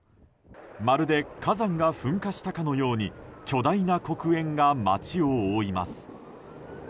まるで火山が噴火したかのように巨大な黒煙が街を覆います。